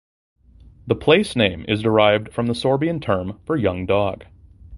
The place name is derived from the Sorbian term for "young dog".